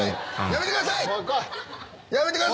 「やめてください」